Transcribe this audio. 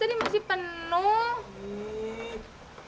tadi masih penuh